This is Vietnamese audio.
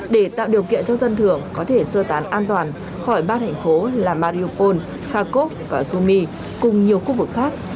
để tạo điều kiện cho dân thường có thể sơ tán an toàn khỏi ba thành phố là mariupol kharkov và sumy cùng nhiều khu vực khác